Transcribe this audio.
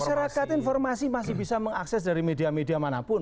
masyarakat informasi masih bisa mengakses dari media media manapun